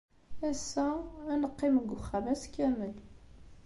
Ass-a, ad neqqim deg uxxam ass kamel.